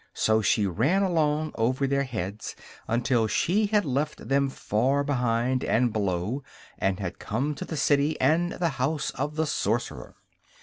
So she ran along over their heads until she had left them far behind and below and had come to the city and the House of the Sorcerer.